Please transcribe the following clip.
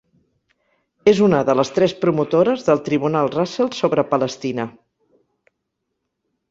És una de les tres promotores del Tribunal Russell sobre Palestina.